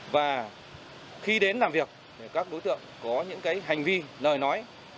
và khi đến làm việc thì các đối tượng có những hành vi lời nói